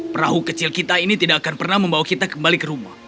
perahu kecil kita ini tidak akan pernah membawa kita kembali ke rumah